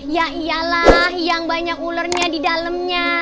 ya iyalah yang banyak ulernya di dalamnya